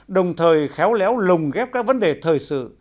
đồng thời khéo léo lồng ghép các vấn đề thời sự